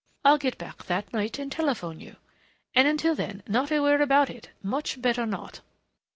I'll get back that night and telephone you. And until then, not a word about it. Much better not."